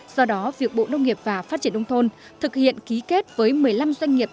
do đó việc bộ nông nghiệp và phát triển nông thôn thực hiện ký kết với một mươi năm doanh nghiệp